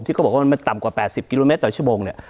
ที่ก็บอกว่ามันต่ำกว่า๘๐กิโลเมตรต่อชั่วโมง